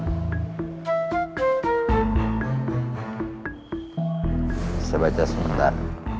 kita baca sebentar